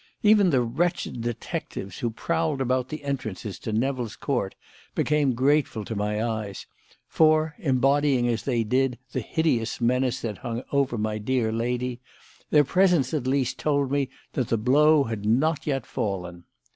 Even the wretched detectives who prowled about the entrances to Nevill's Court became grateful to my eyes, for, embodying as they did the hideous menace that hung over my dear lady, their presence at least told me that the blow had not yet fallen.